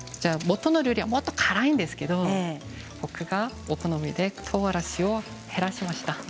もとのお料理はもっと辛いんですけれど僕がお好みでとうがらしを減らしました。